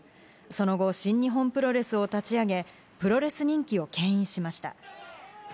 その後、新日本プロレスを立ち上げ、プロレス人気を牽引しました。